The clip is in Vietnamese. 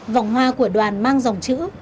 vòng hoa của đoàn mang dòng chữ